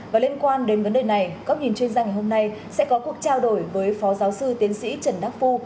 và liên quan đến vấn đề này góc nhìn chuyên gia ngày hôm nay sẽ có cuộc trao đổi với phó giáo sư tiến sĩ trần đắc phu